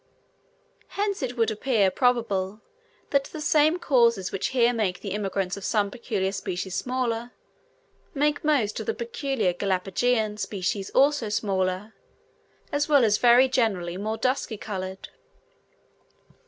Hence it would appear probable, that the same causes which here make the immigrants of some peculiar species smaller, make most of the peculiar Galapageian species also smaller, as well as very generally more dusky coloured.